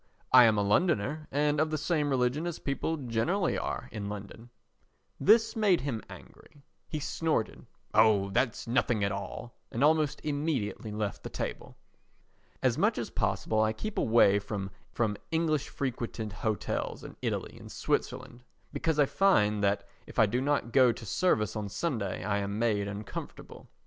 I am a Londoner and of the same religion as people generally are in London." This made him angry. He snorted: "Oh, that's nothing at all;" and almost immediately left the table. As much as possible I keep away from English frequented hotels in Italy and Switzerland because I find that if I do not go to service on Sunday I am made uncomfortable.